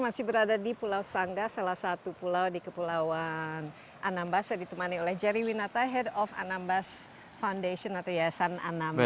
masih berada di pulau sangga salah satu pulau di kepulauan anambas yang ditemani oleh jerry winata head of anambas foundation atau yasan anambas